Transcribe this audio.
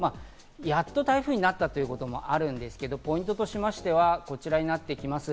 やっと台風になったということもあるんですけど、ポイントとしましては、こちらになってきます。